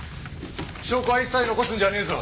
証拠は一切残すんじゃねえぞ。